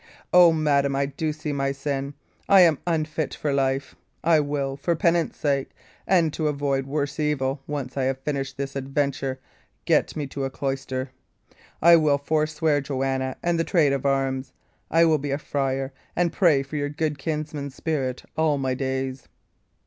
O, madam, I do see my sin. I am unfit for life. I will, for penance sake and to avoid worse evil, once I have finished this adventure, get me to a cloister. I will forswear Joanna and the trade of arms. I will be a friar, and pray for your good kinsman's spirit all my days."